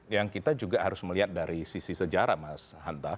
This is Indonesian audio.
yang kita juga harus melihat dari sisi sejarah mas hanta